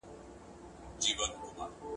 ډاکټران وايي د سرې غوښې کمول صحي دي.